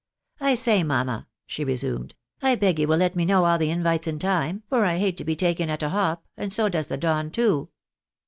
" I say, mamma," she resumed, " I beg you will let me know all the invites in time, for I hate to be taken at a hop, and so does the Don too."